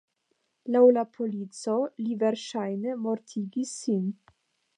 Laŭ la polico, li verŝajne mortigis sin.